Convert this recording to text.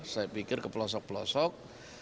saya pikir ke pelosok pelosok